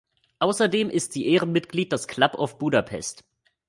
Außerdem ist sie Ehrenmitglied des Club of Budapest.